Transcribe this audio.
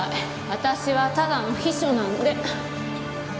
私はただの秘書なんで。